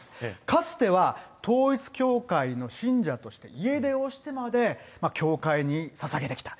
かつては統一教会の信者として、家出をしてまで教会にささげてきた。